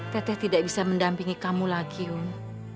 tete tidak bisa mendampingi kamu lagi yun